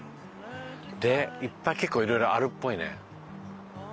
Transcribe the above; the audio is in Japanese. でいっぱい結構色々あるっぽいね。